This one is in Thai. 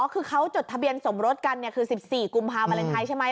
คือเขาจดทะเบียนสมรสกันคือ๑๔กุมภาพวาเลนไทยใช่ไหม